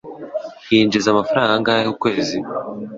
Yinjiza amafaranga angahe ukwezi?